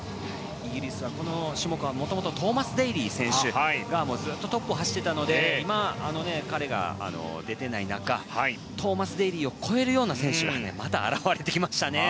イギリスはこの種目はもともとトーマス・デーリー選手がずっとトップを走っていたので今、彼が出ていない中トーマス・デーリーを超えるような選手がまた現れてきましたね。